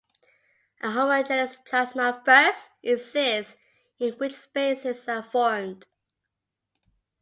A homogeneous plasma first exists, in which spaces are formed.